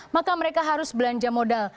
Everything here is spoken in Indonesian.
maka mereka harus belanja modal